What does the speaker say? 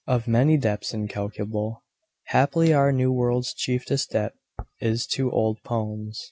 (Of many debts incalculable, Haply our New World's chieftest debt is to old poems.)